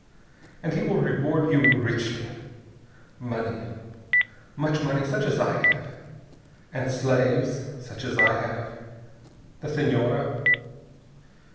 And he will reward you richly. Money, much money, such as I have. And slaves such as I have. The Senhora...."